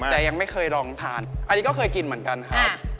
แต่ยังไม่เคยลองทานอันนี้ก็เคยกินเหมือนกันครับ